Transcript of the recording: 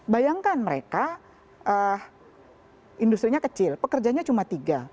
bayangkan mereka industrinya kecil pekerjanya cuma tiga